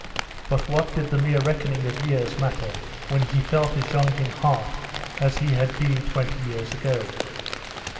But what did the mere reckoning of years matter when he felt as young in heart as he had been twenty years ago?